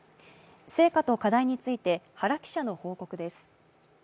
成果と課題について原記者の報告です。